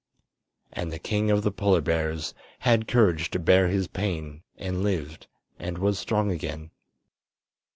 And the King of the Polar Bears had courage to bear his pain and lived and was strong again.